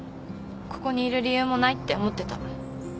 ここにいる理由もないって思ってた。